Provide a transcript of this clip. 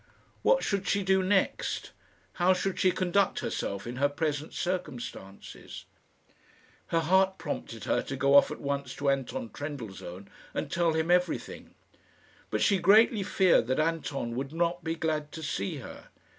What should she do next? How should she conduct herself in her present circumstances? Her heart prompted her to go off at once to Anton Trendellsohn and tell him everything; but she greatly feared that Anton would not be glad to see her.